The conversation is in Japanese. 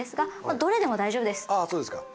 あそうですか。